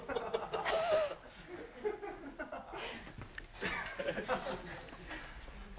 ハハハハ！